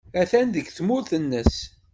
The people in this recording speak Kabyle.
Atan deg tmurt-nnes.